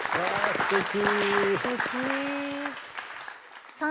すてき！